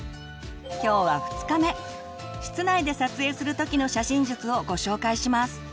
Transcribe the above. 今日は２日目室内で撮影する時の写真術をご紹介します。